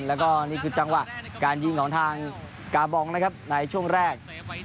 แล้วก็นี่คือจังหวะการยิงของทางกาบองนะครับในช่วงแรก